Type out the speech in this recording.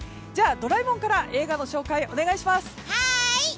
じゃあドラえもんから映画の紹介、お願いします。